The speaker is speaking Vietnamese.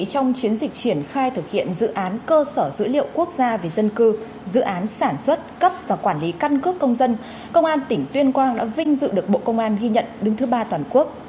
trong chiến dịch triển khai thực hiện dự án cơ sở dữ liệu quốc gia về dân cư dự án sản xuất cấp và quản lý căn cước công dân công an tỉnh tuyên quang đã vinh dự được bộ công an ghi nhận đứng thứ ba toàn quốc